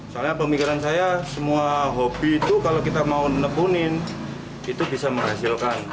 soalnya pemikiran saya semua hobi itu kalau kita mau nekunin itu bisa menghasilkan